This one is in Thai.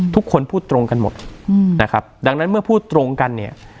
ทุกคนพูดตรงกันหมดนะครับดังนั้นเมื่อพูดตรงกันเนี่ย